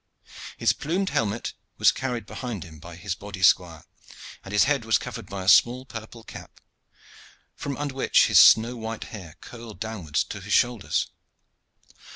His plumed helmet was carried behind him by his body squire, and his head was covered by a small purple cap, from under which his snow white hair curled downwards to his shoulders.